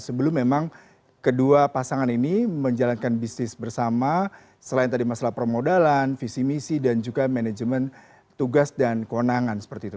sebelum memang kedua pasangan ini menjalankan bisnis bersama selain tadi masalah permodalan visi misi dan juga manajemen tugas dan kewenangan seperti itu